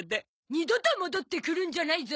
二度と戻ってくるんじゃないゾ。